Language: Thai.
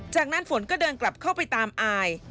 จากนั้นฝนก็เดินกลับเข้าไปตามอาย